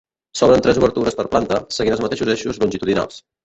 S'obren tres obertures per planta, seguint els mateixos eixos longitudinals.